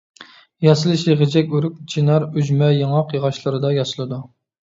ياسىلىشى غېجەك ئۆرۈك، چىنار، ئۈجمە، ياڭاق ياغاچلىرىدا ياسىلىدۇ.